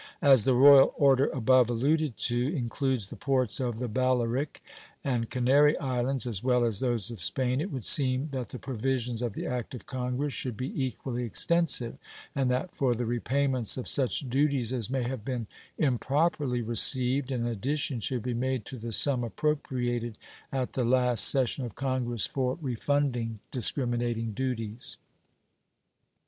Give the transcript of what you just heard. As the royal order above alluded to includes the ports of the Balearic and Canary islands as well as those of Spain, it would seem that the provisions of the act of Congress should be equally extensive, and that for the repayments of such duties as may have been improperly received an addition should be made to the sum appropriated at the last session of Congress for refunding discriminating duties.